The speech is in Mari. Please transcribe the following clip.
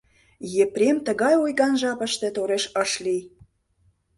Епрем тыгай ойган жапыште тореш ыш лий.